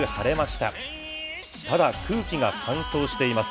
ただ、空気が乾燥しています。